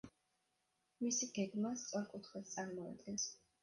მისი გეგმა სწორკუთხედს წარმოადგენს.